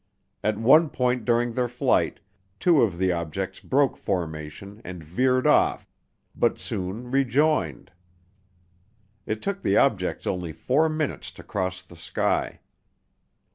At one point during their flight two of the objects broke formation and veered off but soon rejoined. It took the objects only four minutes to cross the sky.